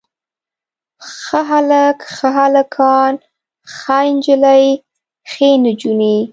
ښه هلک، ښه هلکان، ښه نجلۍ ښې نجونې.